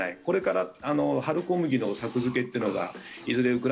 これから春小麦の作付けっていうのがいずれ